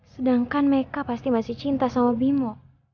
sedangkan mereka pasti masih cinta sama bimo